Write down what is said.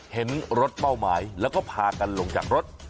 เห็นรถเป้าหมายแล้วก็พากันลงจากรถ